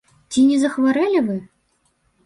Ці не захварэлі вы?